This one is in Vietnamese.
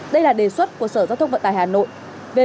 đây là đề xuất của sở giao thông vận tài hà nội